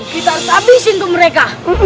kita harus abisin tuh mereka